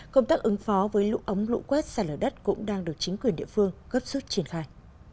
công tác ứng phó với lũ ống lũ quét sạt lở đất cũng đang được chính quyền địa phương gấp xuất triển khai